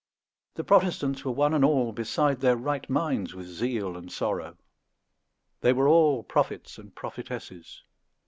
The Protestants were one and all beside their right minds with zeal and sorrow. They were all prophets and prophetesses.